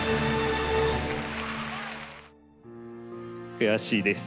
悔しいです。